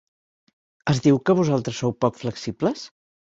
Es diu que vosaltres sou poc flexibles?